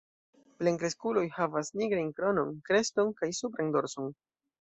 Plenkreskulo havas nigrajn kronon, kreston kaj supran dorson.